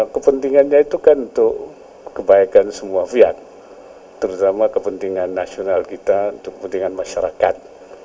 kepentingannya itu kan untuk kebaikan semua pihak terutama kepentingan nasional kita untuk kepentingan masyarakat